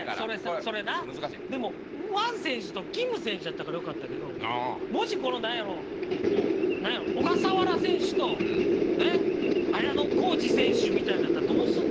それなでもワン選手とキム選手やったからよかったけどもしこの何やろう何やろう小笠原選手と綾小路選手みたいのやったらどうすんの？